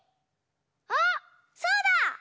あっそうだ！